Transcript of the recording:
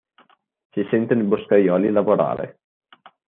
Si sentono i boscaioli lavorare.